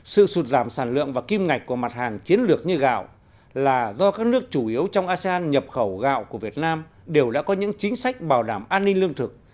sự sụt giảm sản lượng và kim ngạch của mặt hàng chiến lược như gạo là do các nước chủ yếu trong asean nhập khẩu gạo của việt nam đều đã có những chính sách bảo đảm an ninh lương thực